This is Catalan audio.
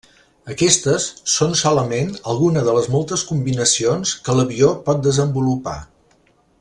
Aquestes són solament algunes de les moltes combinacions que l'avió pot desenvolupar.